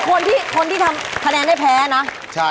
คนที่ทำแผ่นได้แพ้นะใช่